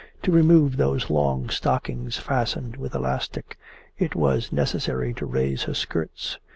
To remove those long stockings fastened with elastic it was necessary to raise her skirts.